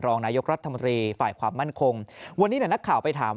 รองนายกรัฐมนตรีฝ่ายความมั่นคงวันนี้เนี่ยนักข่าวไปถาม